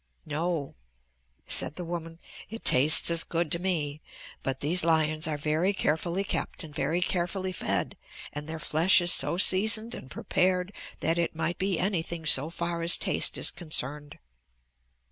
"No," said the woman, "it tastes as good to me. But these lions are very carefully kept and very carefully fed and their flesh is so seasoned and prepared that it might be anything so far as taste is concerned."